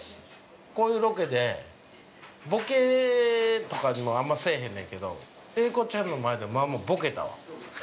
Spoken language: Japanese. こういうロケで、ボケとかにもあんまりせえへんねんけど、英孝ちゃんの前でまあまあボケたわ。